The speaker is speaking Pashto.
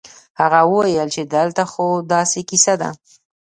هغه وويل چې دلته خو داسې کيسه ده.